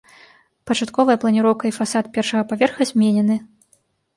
Пачатковая планіроўка і фасад першага паверха зменены.